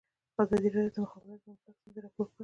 ازادي راډیو د د مخابراتو پرمختګ ستونزې راپور کړي.